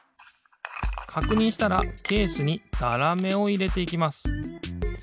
かくにんしたらケースにざらめをいれていきます。